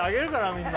みんな。